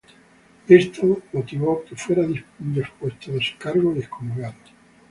Esto motivó que fuera depuesto de sus cargos y excomulgado.